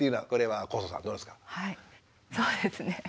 はいそうですね。